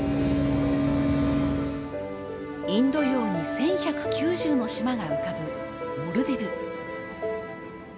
インド洋に１１９０の島が浮かぶモルディブ。